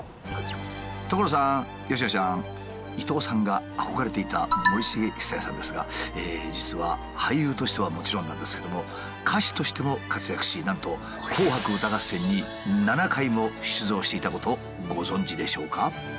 所さん佳乃ちゃん伊東さんが憧れていた森繁久彌さんですが実は俳優としてはもちろんなんですけども歌手としても活躍しなんとしていたことご存じでしょうか？